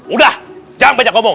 udah jangan banyak ngomong